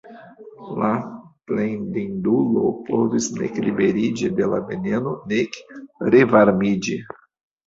La plendindulo povis nek liberiĝi de la veneno nek revarmiĝi.